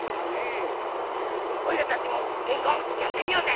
おいらたちもでんごんやってみようぜ！